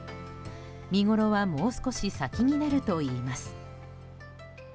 見ごろはもう少し先になるといいます。